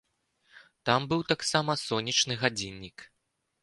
Там быў таксама сонечны гадзіннік.